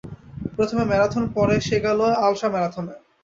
প্রথমে ম্যারাথন, পরে সে গেল আল্ট্রাম্যারাথনে।